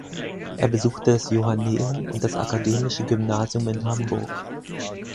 Er besuchte das Johanneum und das akademische Gymnasium in Hamburg.